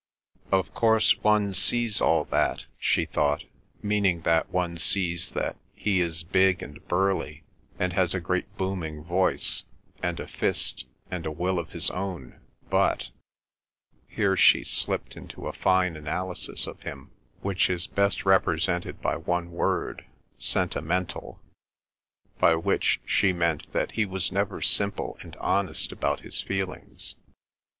"Of course, one sees all that," she thought, meaning that one sees that he is big and burly, and has a great booming voice, and a fist and a will of his own; "but—" here she slipped into a fine analysis of him which is best represented by one word, "sentimental," by which she meant that he was never simple and honest about his feelings.